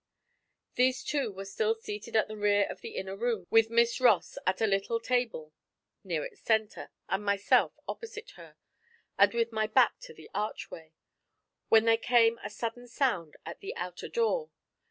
These two were still seated at the rear of the inner room, with Miss Ross at a little table near its centre and myself opposite her, and with my back to the archway, when there came a sudden sound at the outer door.